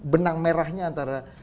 benang merahnya antara